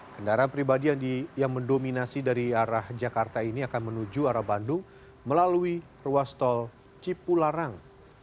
kendaraan pribadi yang mendominasi dari arah jakarta ini akan menuju arah bandung melalui ruas tol cipularang